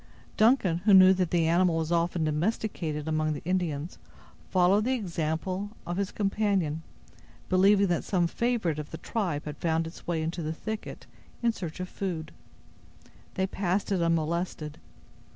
Duncan, who knew that the animal was often domesticated among the Indians, followed the example of his companion, believing that some favorite of the tribe had found its way into the thicket, in search of food. They passed it unmolested.